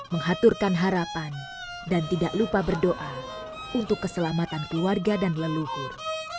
mengaturkan harapan dan tidak lupa berdoa untuk keselamatan keluarga dan leluhur